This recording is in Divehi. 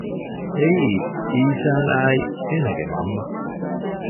އެއީ އީޝަންއާއި އޭނަގެ މަންމަ